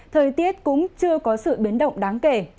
thời tiết cũng chưa có sự biến động đáng kể